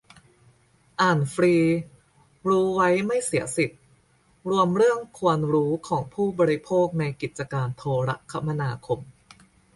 อ่านฟรี รู้ไว้ไม่เสียสิทธิ รวมเรื่องควรรู้ของผู้บริโภคในกิจการโทรคมนาคม